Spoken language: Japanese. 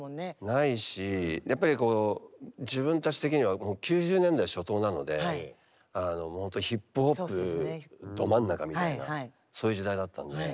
ないしやっぱりこう自分たち的には９０年代初頭なのでほんとヒップホップど真ん中みたいなそういう時代だったんで。